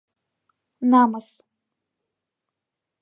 Намыс!..